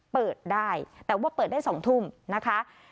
เปิดได้แต่ว่าเปิดได้๒ทุ่มนะคะ